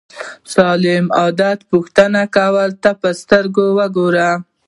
سالم عادت پوښتنه کولو ته په سترګه وګورو.